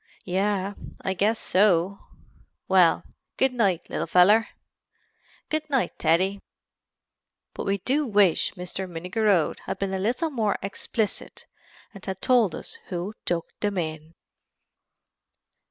"'Yeah, I guess so'.... "'Well, goo' night, little feller'.... "'Goo' night, Teddy.'" But we do wish Mr. Minnigerode had been a little more explicit and had told us who tucked them in.